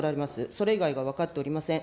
それ以外は分かっておりません。